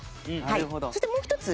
そしてもう一つ。